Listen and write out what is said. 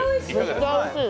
めっちゃおいしい。